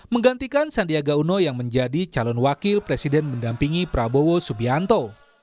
menggantikan sandiaga uno yang menjadi calon wakil presiden mendampingi prabowo subianto